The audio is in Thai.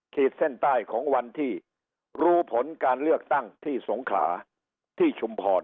ขีดเส้นใต้ของวันที่รู้ผลการเลือกตั้งที่สงขลาที่ชุมพร